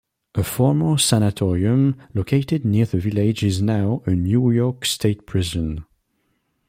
A former sanitarium located near the village is now a New York state prison.